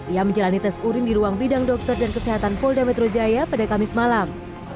ia menjalani tes urin di ruang bidang dokter dan kesehatan polda metro jaya pada kamis malam